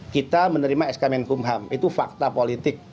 kita menerima eskapen kumham itu fakta politik